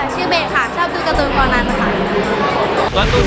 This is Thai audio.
จะจ๋าผมได้ไหม